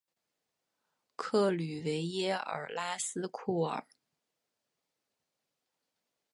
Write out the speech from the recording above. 克吕维耶尔拉斯库尔。